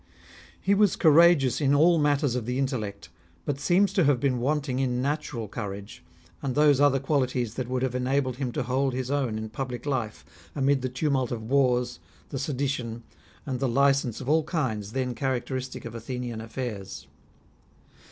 He was courageous in all matters of the intellect, but seems to have been wanting in natural courage, and those other qualities that would have enabled him to hold his own in public life, amid the tumult of wars, the sedition, and the license of all kinds, then characteristic of Athenian affairs.